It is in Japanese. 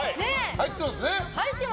入ってますね。